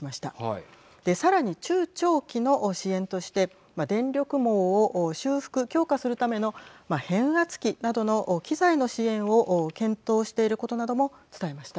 さらに中長期の支援として電力網を修復・強化するための変圧器などの機材の支援を検討していることなども伝えました。